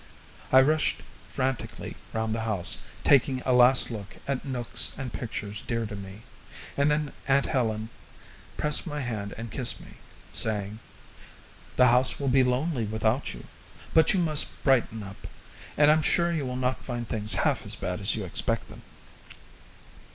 I rushed frantically round the house taking a last look at nooks and pictures dear to me, and then aunt Helen pressed my hand and kissed me, saying: "The house will be lonely without you, but you must brighten up, and I'm sure you will not find things half as bad as you expect them."